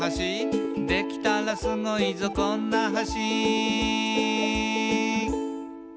「できたらスゴいぞこんな橋」